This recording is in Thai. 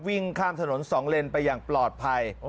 วิ่งข้ามถนน๒เลนไปอย่างปลอดภัย